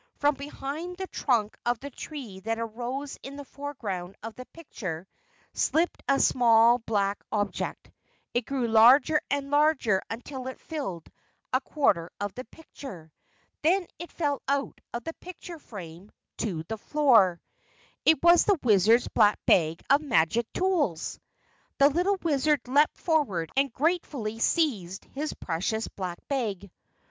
From behind the trunk of the tree that arose in the foreground of the picture, slipped a small black object. It grew larger and larger until it filled a quarter of the picture. Then it fell out of the picture frame to the floor. It was the Wizard's Black Bag of Magic Tools! The Little Wizard leaped forward and gratefully seized his precious Black Bag.